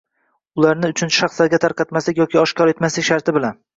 ularni uchinchi shaxslarga tarqatmaslik yoki oshkor etmaslik sharti bilan;